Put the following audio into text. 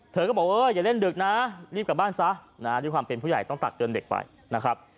เธอก็บอกว่าอย่าเล่นดึกนะรีบกลับบ้านซะนะด้วยความเป็นผู้ใหญ่ต้องตักเตือนเด็กไปนะครับ